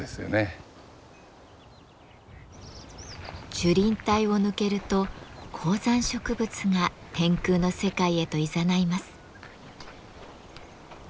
樹林帯を抜けると高山植物が天空の世界へといざないます。